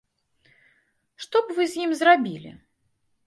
Што б вы з ім зрабілі?